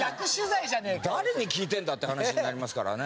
誰に聞いてんだって話になりますからね。